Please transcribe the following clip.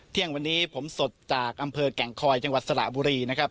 เที่ยงวันนี้ผมสดจากอำเภอแก่งคอยจังหวัดสระบุรีนะครับ